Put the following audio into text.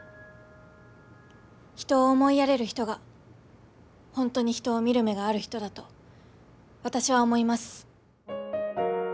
人を思いやれる人が本当に人を見る目がある人だと私は思います。